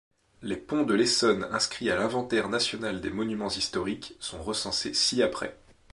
Les ponts de l’Essonne inscrits à l’inventaire national des monuments historiques sont recensés ci-après.